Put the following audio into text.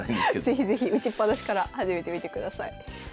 是非是非打ちっぱなしから始めてみてください。